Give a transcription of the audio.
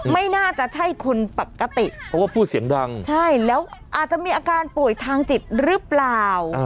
ไม่น่าจะใช่คนปกติเพราะว่าพูดเสียงดังใช่แล้วอาจจะมีอาการป่วยทางจิตหรือเปล่า